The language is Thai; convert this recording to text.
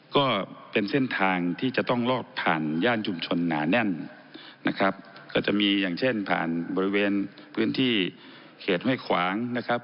ก็เป็นเส้นทางที่จะต้องลอดผ่านย่านชุมชนหนาแน่นนะครับก็จะมีอย่างเช่นผ่านบริเวณพื้นที่เขตห้วยขวางนะครับ